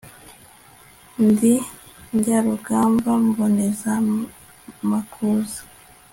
ndi Njyarugamba mboneza amakuza